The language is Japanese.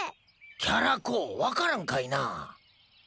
キャラ公分かるんかいなあ？